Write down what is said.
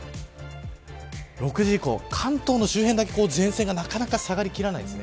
６時以降関東の周辺だけ前線がなかなか下がり切らないです。